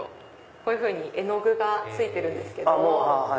こういうふうに絵の具が付いてるんですけど。